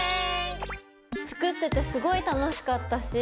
作っててすごい楽しかったし